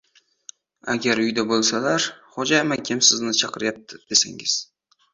Agar uyda bo‘lsalar, Xo‘ja amakim sizni chaqirayaptilar, desangiz.